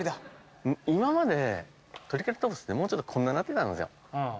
今までトリケラトプスってもうちょっとこんななってたんですよ。